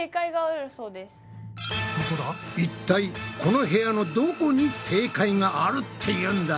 いったいこの部屋のどこに正解があるっていうんだ？